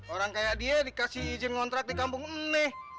orang kayak dia dikasih izin ngontrak di kampung ini